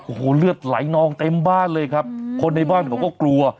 โอ้โหเลือดไหลนองเต็มบ้านเลยครับคนในบ้านเขาก็กลัว